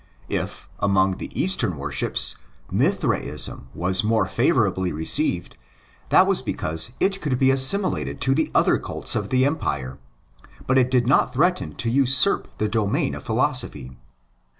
If, among the Eastern worships, Mithraism was more favourably received, that was because it could be assimilated to the other cults of the Empire; and it did not threaten to usurp the domain of philosophy.